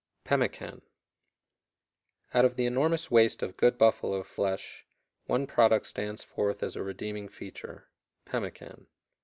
Pemmican. Out of the enormous waste of good buffalo flesh one product stands forth as a redeeming feature pemmican.